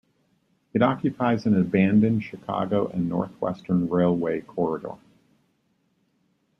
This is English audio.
It occupies an abandoned Chicago and North Western Railway corridor.